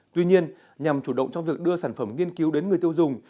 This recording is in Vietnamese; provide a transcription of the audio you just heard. tuy nhiên nhằm chủ động trong việc đưa sản phẩm nghiên cứu đến người tiêu dùng